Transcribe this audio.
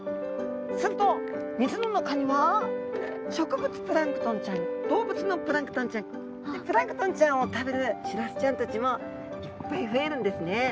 すると水の中には植物プランクトンちゃん動物のプランクトンちゃんでプランクトンちゃんを食べるシラスちゃんたちもいっぱい増えるんですね。